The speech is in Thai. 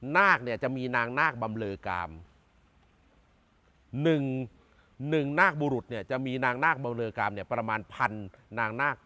นาคจะมีนางนาคบำเลอกามหนึ่งนางบุรุษจะมีนางนาคบำเลอกามประมาณพันนางนาค